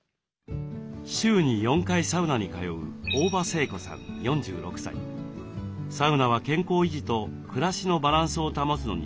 週に４回サウナに通うサウナは健康維持と暮らしのバランスを保つのに欠かせないといいます。